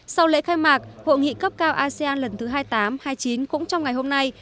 sau lễ khai mạc hội nghị cấp cao asean lần thứ hai mươi tám hai mươi chín cũng trong ngày hôm nay